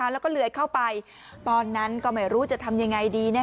แล้วก็เลื้อยเข้าไปตอนนั้นก็ไม่รู้จะทำยังไงดี